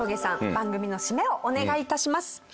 番組の締めをお願い致します。